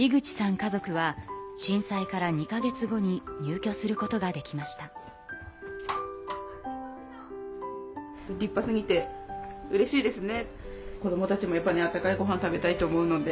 家族は震災から２か月後に入居することができました。と思いますね。